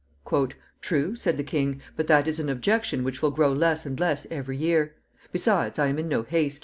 "True," said the king; "but that is an objection which will grow less and less every year. Besides, I am in no haste.